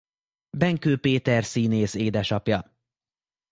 Benkő Péter színész édesapja.